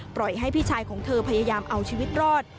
ปล่อยให้พี่ชายของเธอพยายามเอาชีวิตรอด